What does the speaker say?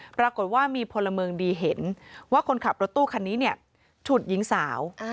ปรากฏว่ามีพลเมืองดีเห็นว่าคนขับรถตู้คันนี้เนี่ยฉุดหญิงสาว